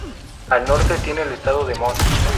Al norte tiene el estado de Mon.